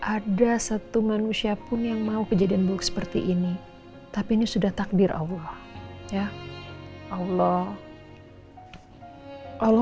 ada satu manusia pun yang mau kejadian buruk seperti ini tapi ini sudah takdir allah ya allah kalau